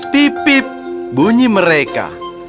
pip pip bunyi mereka